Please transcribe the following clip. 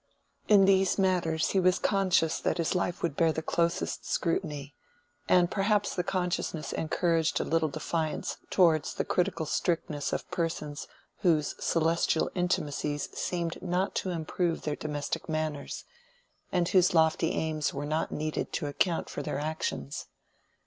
In these matters he was conscious that his life would bear the closest scrutiny; and perhaps the consciousness encouraged a little defiance towards the critical strictness of persons whose celestial intimacies seemed not to improve their domestic manners, and whose lofty aims were not needed to account for their actions.